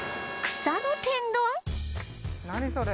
何それ？